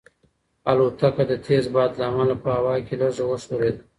الوتکه د تېز باد له امله په هوا کې لږه وښورېده.